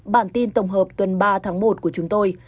bản tin tổng hợp tuần ba tháng một của chúng tôi